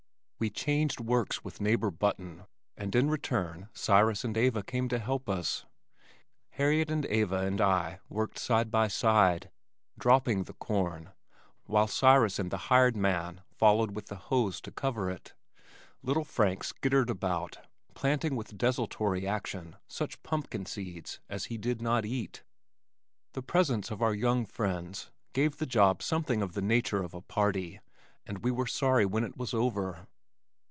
We "changed works" with neighbor Button, and in return Cyrus and Eva came to help us. Harriet and Eva and I worked side by side, "dropping" the corn, while Cyrus and the hired man followed with the hoes to cover it. Little Frank skittered about, planting with desultory action such pumpkin seeds as he did not eat. The presence of our young friends gave the job something of the nature of a party and we were sorry when it was over.